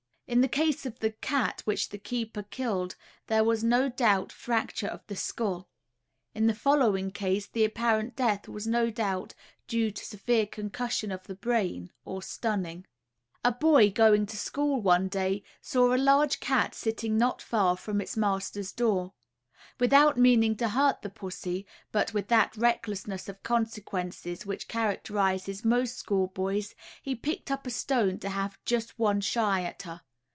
In the case of the cat which the keeper "kill'd," there was no doubt fracture of the skull. In the following case, the apparent death was no doubt due to severe concussion of the brain, or stunning. A boy in going to school one day, saw a large cat sitting not far from its master's door. Without meaning to hurt the pussy, but with that recklessness of consequences which characterizes most school boys, he picked up a stone to have "just one shy at her."